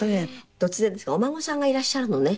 突然ですがお孫さんがいらっしゃるのね。